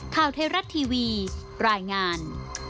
ข่าวไทยรัฐทีวีรายงาน